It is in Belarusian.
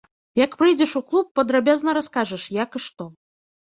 Як прыйдзеш у клуб, падрабязна раскажаш, як і што.